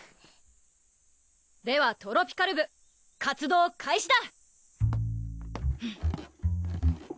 ではトロピカる部活動開始だ！